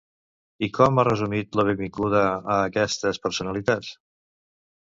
I com ha resumit la benvinguda a aquestes personalitats?